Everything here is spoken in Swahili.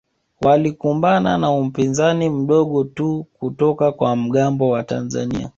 Walikumbana na upinzani mdogo tu kutoka kwa mgambo wa Tanzania